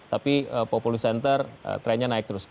tapi populisenter trennya naik terus